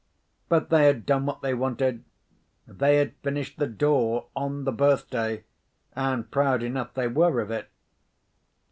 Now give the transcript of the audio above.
But they had done what they wanted—they had finished the door on the birthday, and proud enough they were of it.